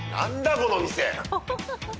この店。